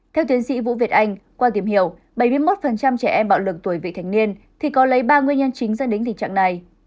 theo tiến sĩ vũ việt anh qua tìm hiểu bảy mươi một trẻ em bạo lực tuổi vị thành niên thì có lấy ba nguyên nhân chính dẫn đến tình trạng này